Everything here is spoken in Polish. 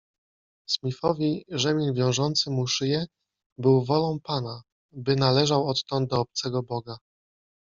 Smithowi rzemień wiążący mu szyję - było wolą pana, by należał odtąd do obcego boga.